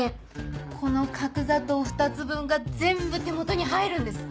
この角砂糖２つ分が全部手元に入るんです。